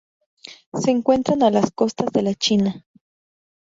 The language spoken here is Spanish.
Se encuentran a las costas de la China.